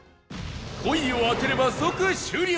５位を当てれば即終了！